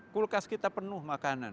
kulkas kita penuh makanan